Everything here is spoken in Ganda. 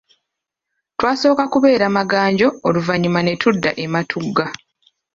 Twasooka kubeera Maganjo oluvannyuma ne tudda e Matugga.